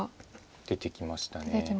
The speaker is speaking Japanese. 出てきましたか。